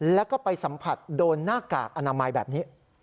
แล้วก็ไปสัมผัสโดนหน้ากากอนามัยแบบนี้